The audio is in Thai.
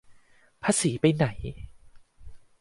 ภาษีไปไหน